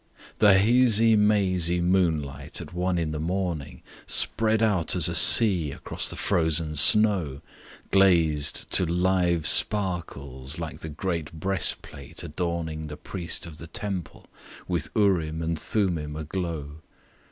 "The hazy mazy moonlight at one in the morning Spread out as a sea across the frozen snow, Glazed to live sparkles like the great breastplate adorning The priest of the Temple, with Urim and Thummim aglow.